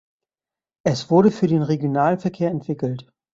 Es wurde für den Regionalverkehr entwickelt.